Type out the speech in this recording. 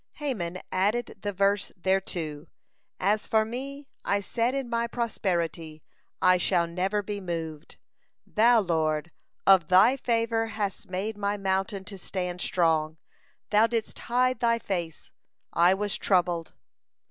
Haman added the verse thereto: "As for me, I said in my prosperity, I shall never be moved. Thou, Lord, of Thy favor hadst made my mountain to stand strong. Thou didst hide Thy face; I was troubled."